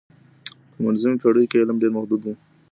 په منځنیو پېړیو کي علم ډېر محدود و.